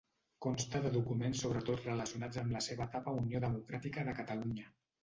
Consta de documents sobretot relacionats amb la seva etapa a Unió Democràtica de Catalunya.